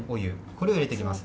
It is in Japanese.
これを入れていきます。